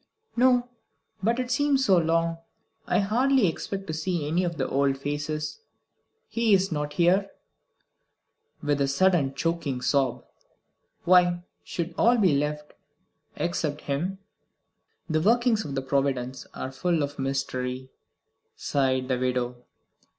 "No; but it seems so long. I hardly expect to see any of the old faces. He is not here," with a sudden choking sob. "Why should all be left except him?" "The workings of Providence are full of mystery," sighed the widow.